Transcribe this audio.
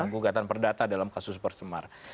gugatan perdata dalam kasus percemar